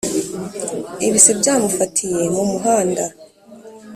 Ibise byamufatiye mumuhanda